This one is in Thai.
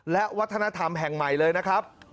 และวัฒนธรรมแห่งใหม่เลยนะครับ